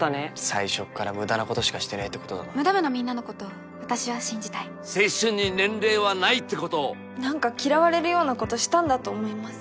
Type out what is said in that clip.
最初っから無駄なことしかしてねえってことだろムダ部のみんなのこと私は信じたい青春に年齢はないってことをなんか嫌われるようなことしたんだと思います